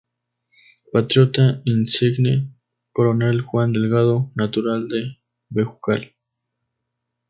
Patriota insigne: Coronel Juan Delgado, natural de Bejucal.